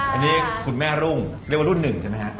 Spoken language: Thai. อันนี้คุณแม่รุ่งเรียกว่ารุ่นหนึ่งใช่ไหมฮะ